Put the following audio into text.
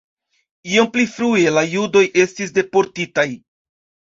Iom pli frue la judoj estis deportitaj.